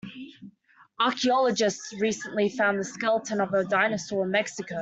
Archaeologists recently found the skeleton of a dinosaur in Mexico.